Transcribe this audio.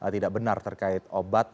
tidak benar terkait obat